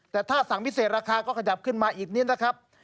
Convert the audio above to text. แต่ถ้าสั่งพิเศษราคาก็ขยับขึ้นมาอีกนิดนะครับ